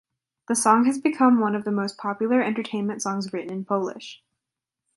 The song has become one of most popular entertainment songs written in Polish.